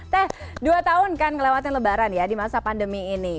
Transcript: teh dua tahun kan ngelewatin lebaran ya di masa pandemi ini